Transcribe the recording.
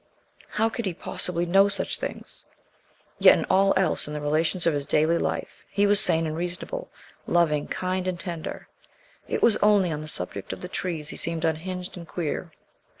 How could he possibly know such things? Yet, in all else, and in the relations of his daily life, he was sane and reasonable, loving, kind and tender. It was only on the subject of the trees he seemed unhinged and queer.